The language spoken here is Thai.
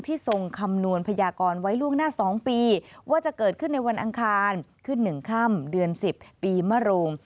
ที่ทรงคำนวณพญากรไว้ล่วงหน้าสองปีว่าจะเกิดขึ้นในวันอังคารขึ้นหนึ่งค่ำเดือนสิบปีมรุง